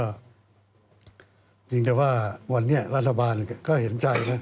อย่างแต่ว่าวันนี้รัฐบาลก็เห็นใจนะ